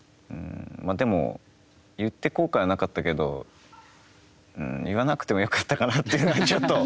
でも、言って後悔はなかったけど言わなくてもよかったかなというふうにはちょっと。